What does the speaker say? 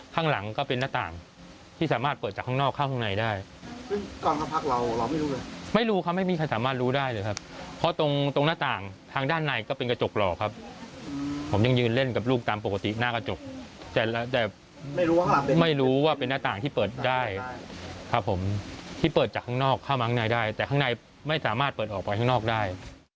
ข้างในไม่สามารถเปิดออกไปข้างนอกได้